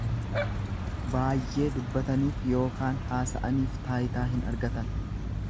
Baayyee dubbataniif yookaan hasa'aniif taayitaa hin argatan.